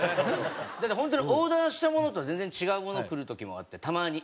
だって本当にオーダーしたものと全然違うものくる時もあってたまに。